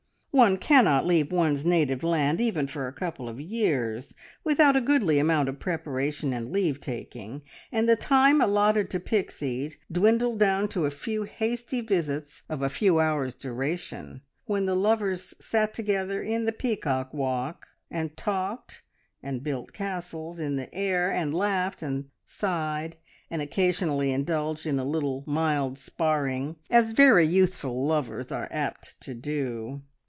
One cannot leave one's native land, even for a couple of years, without a goodly amount of preparation and leave taking, and the time allotted to Pixie dwindled down to a few hasty visits of a few hours' duration, when the lovers sat together in the peacock walk, and talked, and built castles in the air, and laughed, and sighed, and occasionally indulged in a little, mild sparring, as very youthful lovers are apt to do.